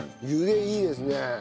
茹でいいですね。